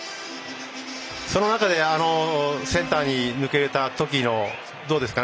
その中でセンターに抜けたときのどうですか。